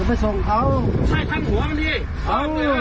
เอ้า